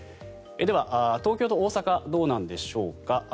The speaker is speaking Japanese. では、東京と大阪どうなんでしょうか。